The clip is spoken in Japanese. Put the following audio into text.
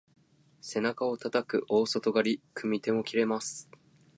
背中をたたく大外刈り、組み手も切れます。